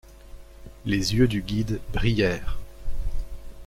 Les yeux du guide brillèrent.